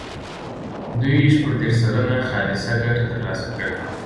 دوی شپږ دېرش سلنه خالصه ګټه ترلاسه کړي.